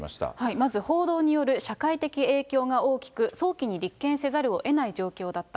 まず報道による社会的影響が大きく、早期に立件せざるをえない状況だった。